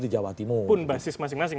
di jawa timur pun basis masing masing